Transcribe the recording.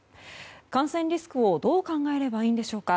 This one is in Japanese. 感染リスクをどう考えればいいんでしょうか。